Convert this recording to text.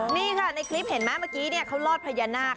นี่ค่ะในคลิปเห็นไหมเมื่อกี้เขาลอดพญานาค